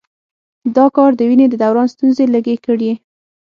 دا کار د وینې د دوران ستونزې لږې کړي.